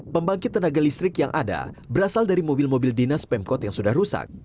pembangkit tenaga listrik yang ada berasal dari mobil mobil dinas pemkot yang sudah rusak